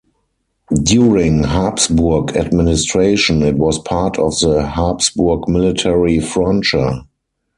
During Habsburg administration, it was part of the Habsburg Military Frontier.